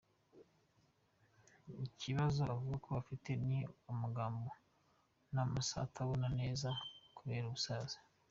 Ikibazo avuga ko afite ni umugongo n’amaso atabona neza kubera ubusaza.